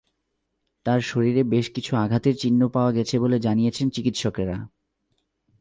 তাঁর শরীরে বেশ কিছু আঘাতের চিহ্ন পাওয়া গেছে বলে জানিয়েছেন চিকিৎসকেরা।